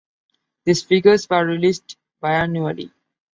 These figures were released biannually.